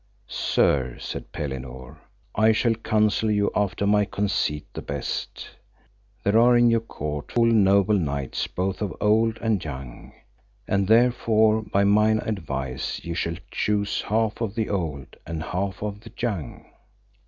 Sir, said Pellinore, I shall counsel you after my conceit the best: there are in your court full noble knights both of old and young; and therefore by mine advice ye shall choose half of the old and half of the young.